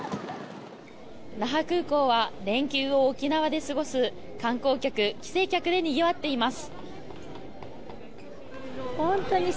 那覇空港は連休を沖縄で過ごす観光客帰省客でにぎわっています。